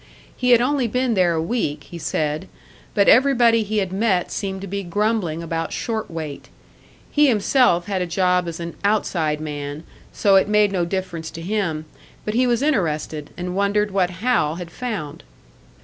He had only been there a week, he said, but everybody he had met seemed to be grumbling about short weight. He himself had a job as an "outside man," so it made no difference to him, but he was interested, and wondered what Hal had found.